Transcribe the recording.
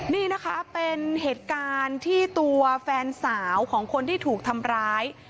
นี่นะครับเป็นแฟนสาวของคนที่ถูกทำร้าย